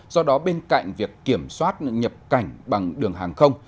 do đó bên cạnh việc kiểm soát nhập cảnh bằng đường hàng không